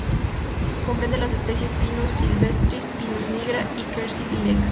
Comprende las especies: Pinus sylvestris, Pinus nigra y Quercus ilex.